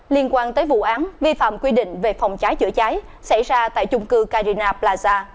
liên quan tới vụ án vi phạm quy định về phòng trái chữa trái xảy ra tại trung cư carina plaza